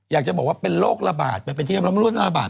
อยากจะบอกว่าเป็นโรคระบาดมันเป็นที่เรียบร้อยระบาด